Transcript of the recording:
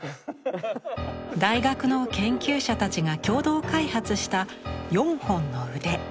大学の研究者たちが共同開発した４本の腕。